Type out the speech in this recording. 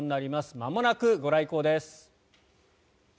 まもなくご来光です。